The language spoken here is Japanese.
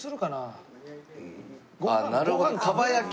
なるほど。